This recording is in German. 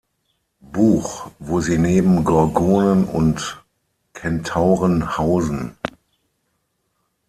Buch, wo sie neben Gorgonen und Kentauren hausen.